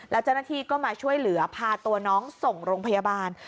แล้วเจ้าหน้าที่ก็มาช่วยเหลือพาตัวน้องส่งโรงพยาบาล